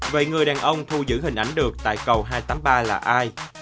vậy người đàn ông thu giữ hình ảnh được tại cầu hai trăm tám mươi ba là ai